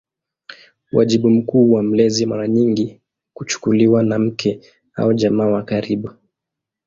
Wajibu mkuu wa mlezi mara nyingi kuchukuliwa na mke au jamaa wa karibu.